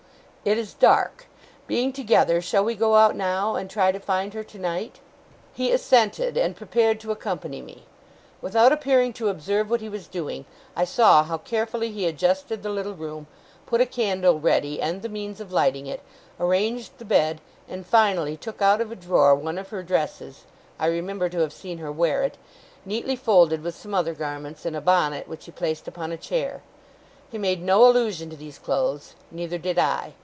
'It is dark. Being together, shall we go out now, and try to find her tonight?' He assented, and prepared to accompany me. Without appearing to observe what he was doing, I saw how carefully he adjusted the little room, put a candle ready and the means of lighting it, arranged the bed, and finally took out of a drawer one of her dresses (I remember to have seen her wear it), neatly folded with some other garments, and a bonnet, which he placed upon a chair. He made no allusion to these clothes, neither did I.